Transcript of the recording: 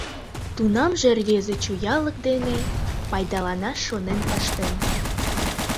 Тунамже рвезе чоялык дене пайдаланаш шонен пыштен.